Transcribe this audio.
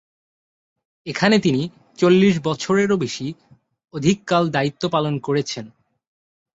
এখানে তিনি চল্লিশ বছরেরও অধিককাল দায়িত্ব পালন করছেন।